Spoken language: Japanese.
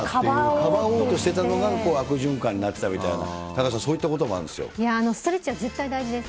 かばおうとしていたのが悪循環になってたみたいな、田中さん、ストレッチは絶対大事です。